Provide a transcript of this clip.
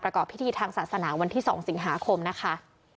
ประกอบพิธีทางศาสนาวันที่๒สิงหาคมนะคะ